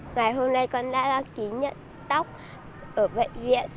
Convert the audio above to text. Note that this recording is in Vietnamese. ngày hôm nay con đã ký nhận tóc ở bệnh viện